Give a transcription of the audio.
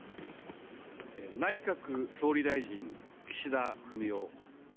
内閣総理大臣、岸田文雄。